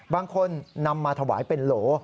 บางคนนำมาถวายเป็นโหล